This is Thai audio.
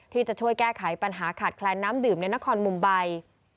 ที่จะช่วยแก้ไขปัญหาขาดแคลนน้ำดื่มในนครมุมใบ